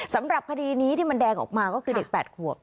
สำหรับคดีนี้ที่มันแดงออกมาก็คือเด็ก๘ขวบ